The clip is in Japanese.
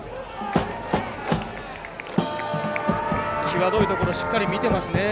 際どいところしっかり見てますね。